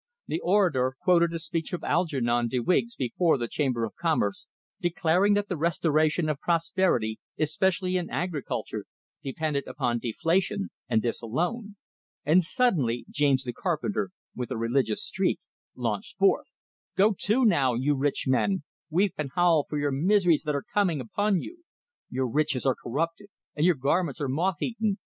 The orator quoted a speech of Algernon de Wiggs before the Chamber of Commerce, declaring that the restoration of prosperity, especially in agriculture, depended upon "deflation," and this alone; and suddenly James, the carpenter with a religious streak, launched forth: "Go to now, you rich men, weep and howl for your miseries that are coming upon you! Your riches are corrupted, and your garments are moth eaten!